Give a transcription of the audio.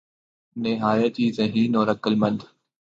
نہایت ہی ذہین اور عقل مند